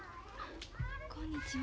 こんにちは。